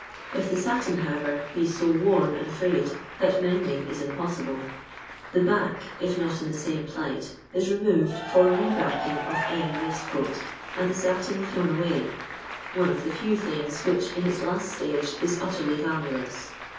If the satin, however, be so worn and frayed that mending is impossible, the back, if not in the same plight, is removed for rcbacking of any waistcoat, and the satin thrown away, one of the few thines which in itt last stage is utterly valueless.